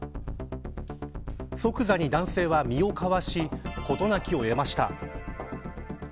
即座に男性は身をかわし事なきを得ました。